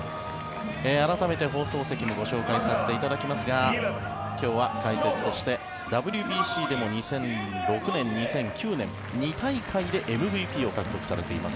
改めて放送席のご紹介させていただきますが今日は解説としてＷＢＣでも２００６年、２００９年２大会でＭＶＰを獲得されています